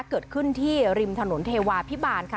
เกิดขึ้นที่ริมถนนเทวาพิบาลค่ะ